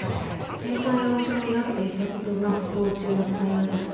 低体温症になっていたことが不幸中の幸いだったってことですね。